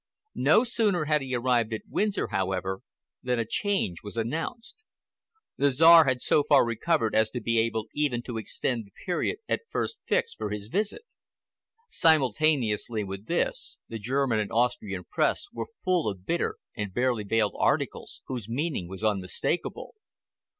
No sooner had he arrived at Windsor, however, than a change was announced. The Czar had so far recovered as to be able even to extend the period at first fixed for his visit. Simultaneously with this, the German and Austrian Press were full of bitter and barely veiled articles, whose meaning was unmistakable.